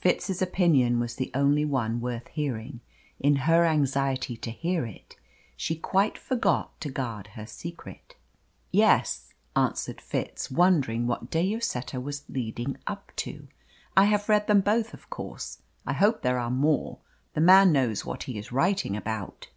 Fitz's opinion was the only one worth hearing. In her anxiety to hear it, she quite forgot to guard her secret. "Yes," answered Fitz, wondering what De Lloseta was leading up to. "I have read them both, of course. I hope there are more. The man knows what he is writing about."